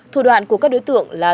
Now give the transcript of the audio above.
thủ đoạn của các đối tượng là